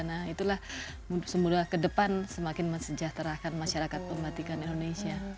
nah itulah semoga ke depan semakin mensejahterakan masyarakat pembatikan indonesia